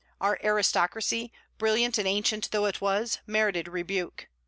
Our aristocracy, brilliant and ancient though it was, merited rebuke.